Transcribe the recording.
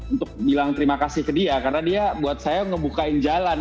untuk bilang terima kasih ke dia karena dia buat saya ngebukain jalan